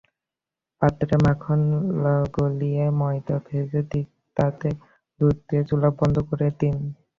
পাত্রে মাখন গলিয়ে ময়দা ভেজে তাতে দুধ দিয়ে চুলা বন্ধ করে দিন।